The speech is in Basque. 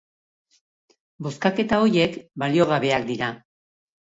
Bozkaketa horiek baliogabeak dira.